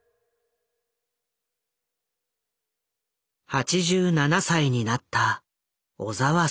８７歳になった小澤征爾。